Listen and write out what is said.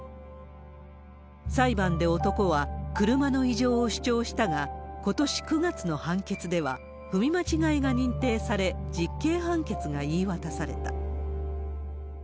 裁判で男は車の異常を主張したが、ことし９月の判決では、踏み間違いが認定され、実刑判決が言い渡された。